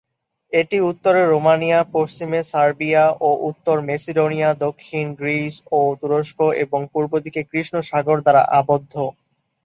এটি উত্তরে রোমানিয়া, পশ্চিমে সার্বিয়া ও উত্তর মেসিডোনিয়া, দক্ষিণে গ্রিস ও তুরস্ক এবং পূর্বদিকে কৃষ্ণ সাগর দ্বারা আবদ্ধ।